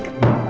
nah yuk ya